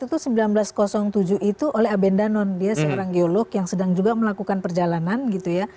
itu seribu sembilan ratus tujuh itu oleh abendanon dia seorang geolog yang sedang juga melakukan perjalanan gitu ya